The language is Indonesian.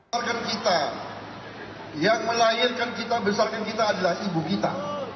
target kita yang melahirkan kita besarkan kita adalah ibu kita